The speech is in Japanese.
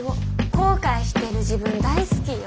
後悔してる自分大好きよ